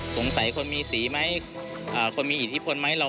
สงสัยคนมีสีไหมคนมีอิทธิพลไหม